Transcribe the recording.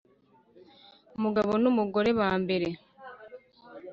umugabo nu mugore ba mbere